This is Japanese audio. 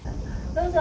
どうぞ。